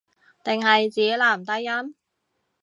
定係指男低音